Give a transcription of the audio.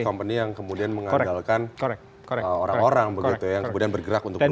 aps company yang kemudian mengandalkan orang orang yang kemudian bergerak untuk perusahaan